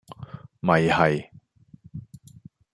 咪係